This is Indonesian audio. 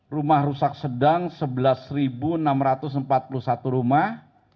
rumah rusak sedang sebelas enam ratus empat puluh satu rumah